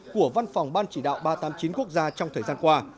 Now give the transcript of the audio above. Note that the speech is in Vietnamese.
của văn phòng ban chỉ đạo ba trăm tám mươi chín quốc gia trong thời gian qua